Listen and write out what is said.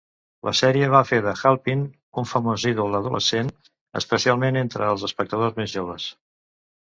La sèrie va fer de Halpin un famós ídol adolescent, especialment entre els espectadors més joves.